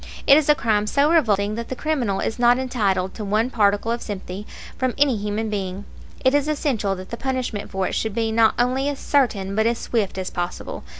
It is a crime so revolting that the criminal is not entitled to one particle of sympathy from any human being. It is essential that the punishment for it should be not only as certain but as swift as possible.